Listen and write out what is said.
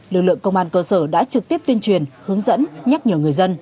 lực lượng công an cơ sở đã trực tiếp tuyên truyền hướng dẫn nhắc nhở người dân